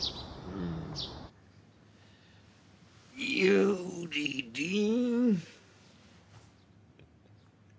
ユリリン。